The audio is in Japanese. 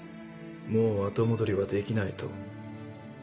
もう後戻りはできないと。